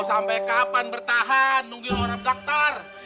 mau sampai kapan bertahan nunggu orang dokter